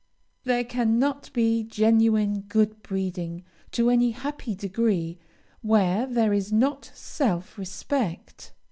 There cannot be genuine good breeding to any happy degree, where there is not self respect.